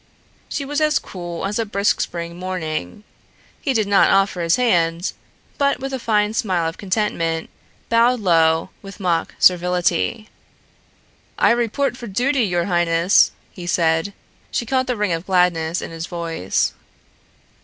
She was as cool as a brisk spring morning. He did not offer his hand, but, with a fine smile of contentment, bowed low and with mock servility. "I report for duty, your highness," he said. She caught the ring of gladness in his voice.